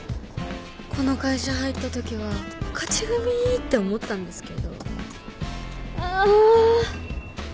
この会社入ったときは勝ち組って思ったんですけど。